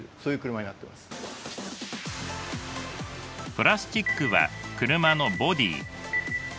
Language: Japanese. プラスチックは車のボディ